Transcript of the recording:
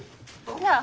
なあ？